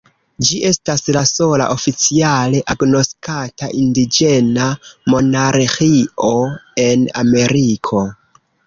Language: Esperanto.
Ĝi estas la sola oficiale agnoskata indiĝena monarĥio en Ameriko.